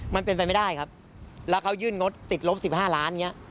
มันเป็นไปไม่ได้ครับแล้วเขายื่นงดติดลบ๑๕ล้านอย่างนี้